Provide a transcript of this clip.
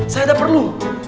saya udah perlu